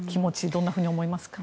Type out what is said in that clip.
どんなふうに思いますか？